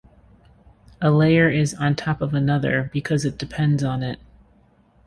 A layer is on top of another, because it depends on it.